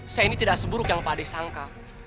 saya ini tidak seburuk yang pak ade sangka